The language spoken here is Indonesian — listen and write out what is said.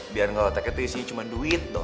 biar nggak otaknya tuh isinya cuma duit doh